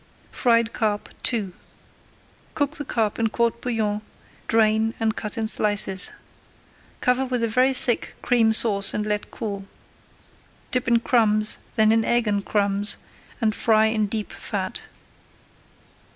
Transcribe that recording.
FRIED CARP II Cook the carp in court bouillon, drain, and cut in slices. Cover with a very thick Cream Sauce and let cool. Dip in crumbs, then in egg and crumbs, and fry in deep fat.